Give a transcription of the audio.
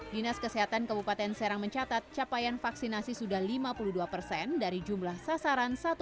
dinas kesehatan kabupaten serang mencatat capaian vaksinasi sudah lima puluh dua persen dari jumlah sasaran satu